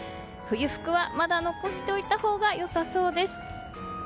冬服はまだ残しておいたほうが良さそうです。